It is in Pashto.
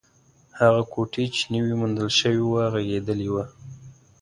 هغه کوټې چې نوې موندل شوې وه، غږېدلې وه.